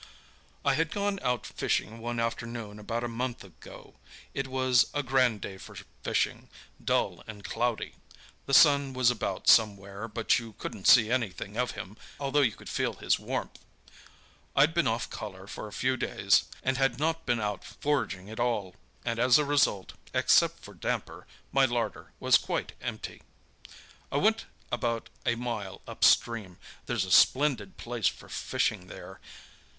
"I had gone out fishing one afternoon about a month ago. It was a grand day for fishing—dull and cloudy. The sun was about somewhere, but you couldn't see anything of him, although you could feel his warmth. I'd been off colour for a few days, and had not been out foraging at all, and as a result, except for damper, my larder was quite empty. "I went about a mile upstream. There's a splendid place for fishing there.